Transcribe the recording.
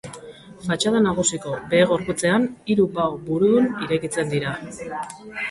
Fatxada nagusiko behe-gorputzean hiru bao burudun irekitzen dira.